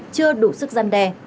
chưa đủ sức gian đe